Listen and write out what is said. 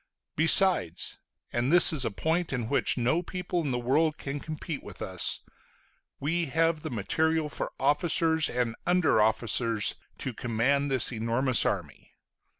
Besides and this is a point in which no people in the world can compete with us we have the material for officers and under officers to command this enormous army.